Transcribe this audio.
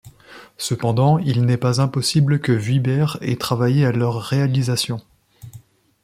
Cependant, il n'est pas impossible que Vuibert ait travaillé à leur réalisation.